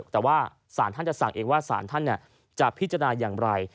แต่ว่าศาลท่านจะสั่งเองว่าสารท่านจะพิจารณาอย่างไร